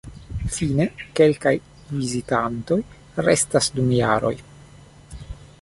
Fine, kelkaj "vizitantoj" restas dum jaroj.